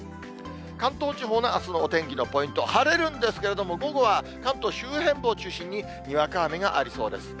関東地方のあすのお天気のポイント、晴れるんですけれども、午後は関東周辺部を中心ににわか雨がありそうです。